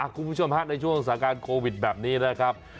คุณผู้ชมฮะในช่วงสถานการณ์โควิดแบบนี้นะครับ